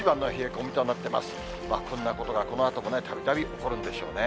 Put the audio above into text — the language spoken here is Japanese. こんなことがこのあともたびたび起こるんでしょうね。